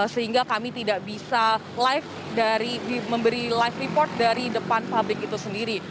sehingga kami tidak bisa memberi live report dari depan pabrik itu sendiri